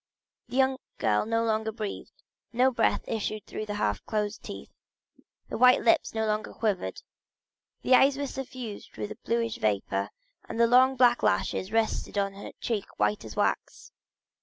The young girl no longer breathed, no breath issued through the half closed teeth; the white lips no longer quivered—the eyes were suffused with a bluish vapor, and the long black lashes rested on a cheek white as wax.